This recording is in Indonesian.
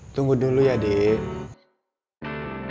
tunggu dulu ya dek